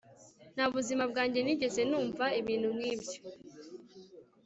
Nta buzima bwanjye nigeze numva ibintu nkibyo